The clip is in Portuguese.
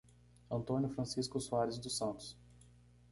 Antônio Francisco Soares dos Santos